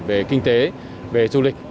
về kinh tế về du lịch